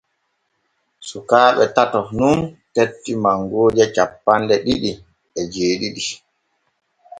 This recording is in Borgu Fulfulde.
Sukaaɓe tato nun tetti mangooje cappanɗe ɗiɗi e jeeɗiɗi.